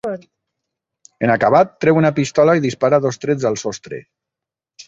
En acabat, treu una pistola i dispara dos trets al sostre.